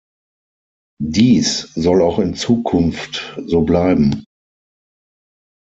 Dies soll auch in Zukunft so bleiben.